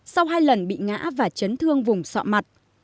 sau hai lần bị ngã và chấn thương vùng sọ mặt